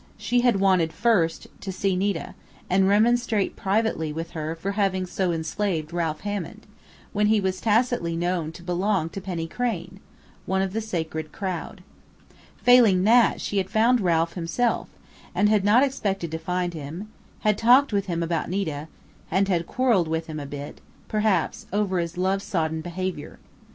She had wanted, first, to see Nita and remonstrate privately with her for having so enslaved Ralph Hammond, when he was tacitly known to "belong" to Penny Crain one of the sacred crowd. Failing that, she had found Ralph himself, and had not expected to find him; had talked with him about Nita, and had quarreled a bit with him, perhaps, over his love sodden behavior.